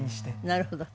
なるほど。